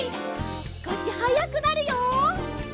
すこしはやくなるよ。